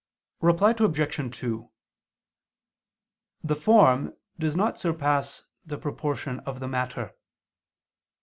Reply Obj. 2: The form does not surpass the proportion of the matter.